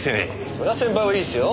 そりゃ先輩はいいっすよ。